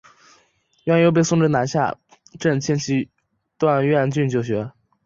阮攸被送至山南下镇亲戚段阮俊就学。